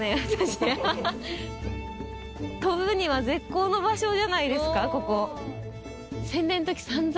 飛ぶには絶好の場所じゃないですかここ。